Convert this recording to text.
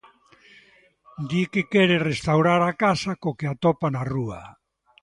Di que quere restaurar a casa co que atopa na rúa.